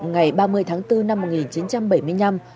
ngày ba mươi tháng bốn năm một nghìn chín trăm bảy mươi năm